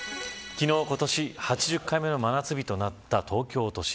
昨日、今年８０回目の真夏日となった東京都心。